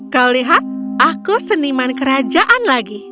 kau lihat aku seniman kerajaan lagi